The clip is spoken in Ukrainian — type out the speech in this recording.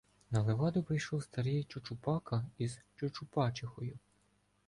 На леваду прийшов старий Чучупака із Чучупачихою.